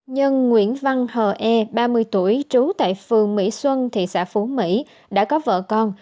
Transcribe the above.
nhân nguyễn văn hờ e ba mươi tuổi trú tại phường mỹ xuân thị xã phú mỹ đã có vợ con